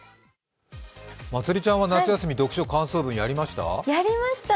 まつりちゃんは夏休み、読書感想文やりました？